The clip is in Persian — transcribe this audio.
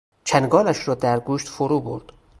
چنگالش را در گوشت فرو برد.